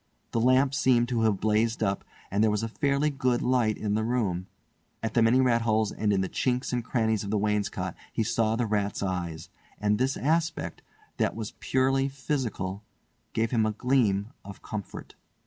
The lamp seemed to have blazed up, and there was a fairly good light in the room. At the many rat holes and in the chinks and crannies of the wainscot he saw the rats' eyes; and this aspect, that was purely physical, gave him a gleam of comfort.